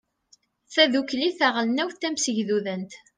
tadukli taɣelnawt tamsegdudant